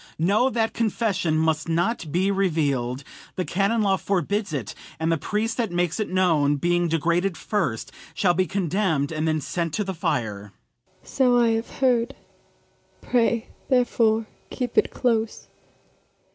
FRIAR BARNARDINE. Know that confession must not be reveal'd; The canon law forbids it, and the priest That makes it known, being degraded first, Shall be condemn'd, and then sent to the fire. ABIGAIL. So I have heard; pray, therefore, keep it close.